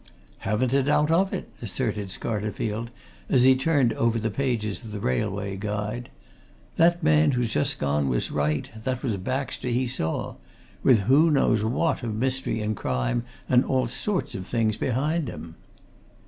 "Haven't a doubt of it!" asserted Scarterfield, as he turned over the pages of the railway guide. "That man who's just gone was right that was Baxter he saw. With who knows what of mystery and crime and all sorts of things behind him!"